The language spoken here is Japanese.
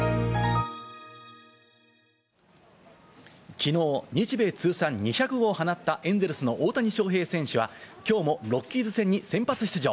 きのう、日米通算２００号を放ったエンゼルスの大谷翔平選手は、きょうもロッキーズ戦に先発出場。